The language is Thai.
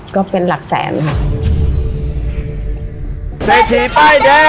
ก็เป็นหลักแสนค่ะ